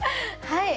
はい！